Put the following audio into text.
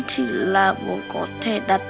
chỉ là bố có thể đặt